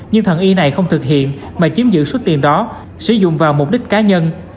nhưng thần y này không thực hiện mà chiếm giữ số tiền đó sử dụng vào mục đích cá nhân